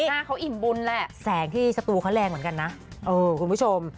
หน้าเขาอิ่มบุญแหละแสงที่สตูเขาแรงเหมือนกันนะเออคุณผู้ชม